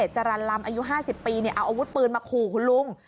จรรย์ลำอายุ๕๐ปีเอาอาวุธปืนมาขู่คุณลุง